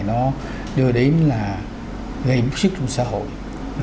nó đưa đến là gây mức sức trong xã hội